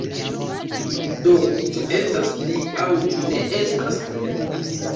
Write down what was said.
Do, ĉu estas li aŭ ĉu ne estas?